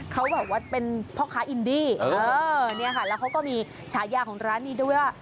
เขาแบบว่าเป็นพ่อค้าอินดี้เนี่ยค่ะแล้วเขาก็มีฉายาของร้านนี้ด้วยว่า